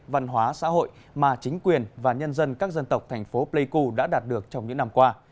văn hóa xã hội mà chính quyền và nhân dân các dân tộc thành phố pleiku đã đạt được trong những năm qua